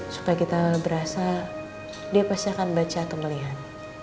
supaya kita berasa dia pasti akan baca atau melihat